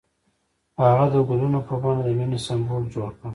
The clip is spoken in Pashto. هغه د ګلونه په بڼه د مینې سمبول جوړ کړ.